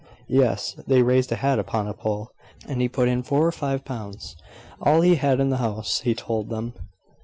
"Yes. They raised a hat upon a pole, and he put in four or five pounds all he had in the house, he told them.